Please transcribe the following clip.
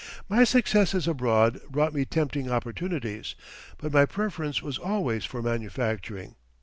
My successes abroad brought me tempting opportunities, but my preference was always for manufacturing.